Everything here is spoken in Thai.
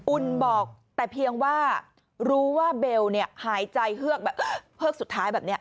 อุ่นบอกแต่เพียงว่ารู้ว่าเบลหายใจเฮือกแบบเฮือกสุดท้ายแบบนี้